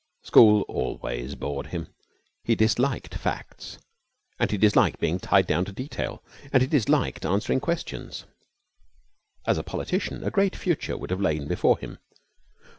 School always bored him. He disliked facts, and he disliked being tied down to detail, and he disliked answering questions. As a politician a great future would have lain before him.